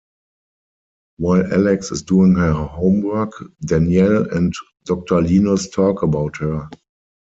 While Alex is doing her homework, Danielle and Doctor Linus talk about her.